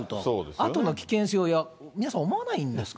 あとの危険性を皆さん思わないんですか？